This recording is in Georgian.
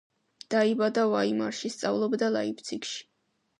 დაიბადა ვაიმარში, სწავლობდა ლაიფციგში.